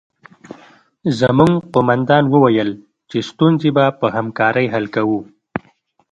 زموږ قومندان وویل چې ستونزې به په همکارۍ حل کوو